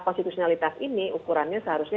konstitusionalitas ini ukurannya seharusnya